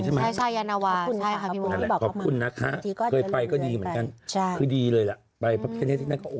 เจ้าเจริญกรุงมตินะคะใช่ไหม